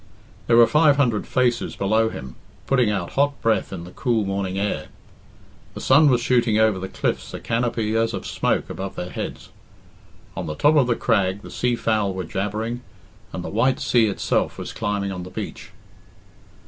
There were five hundred faces below him, putting out hot breath in the cool morning air. The sun was shooting over the cliffs a canopy as of smoke above their heads. On the top of the crag the sea fowl were jabbering, and the white sea itself was climbing on the beach.